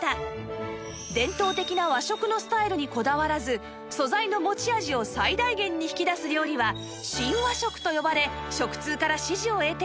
伝統的な和食のスタイルにこだわらず素材の持ち味を最大限に引き出す料理は「新和食」と呼ばれ食通から支持を得ています